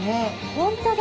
本当だ。